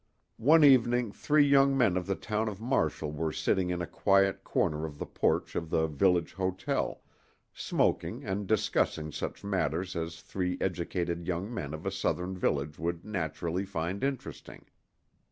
One evening three young men of the town of Marshall were sitting in a quiet corner of the porch of the village hotel, smoking and discussing such matters as three educated young men of a Southern village would naturally find interesting.